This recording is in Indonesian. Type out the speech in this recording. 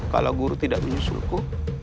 kalau guru tidak menyusulku